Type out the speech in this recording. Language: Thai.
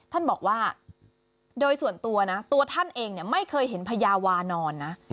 ท่านบอกว่าโดยส่วนตัวนะตัวท่านเองไม่เคยเห็นพญาวานอนนะ